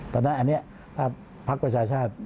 เพราะฉะนั้นอันนี้ถ้าภาคประชาชาติ